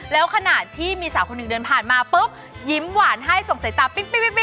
แล้วขณะที่มีสาวคนหนึ่งเดินผ่านมาปุ๊บยิ้มหวานให้ส่งสายตาปิ้ง